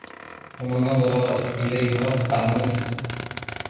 وَمَنْ نَظَرَ إلَيْهَا أَعْمَتْهُ